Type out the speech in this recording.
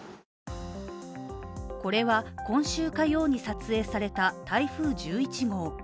これは今週火曜に撮影された台風１１号。